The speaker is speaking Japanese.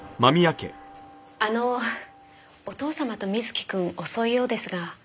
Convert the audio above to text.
あのお父様と瑞貴くん遅いようですが。